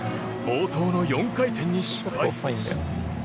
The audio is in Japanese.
冒頭の４回転に失敗。